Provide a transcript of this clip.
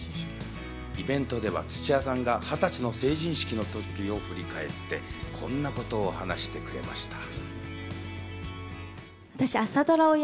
イベントでは土屋さんが２０歳の成人式の時を振り返って、こんなことを話してくれました。